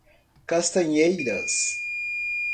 Castanheiras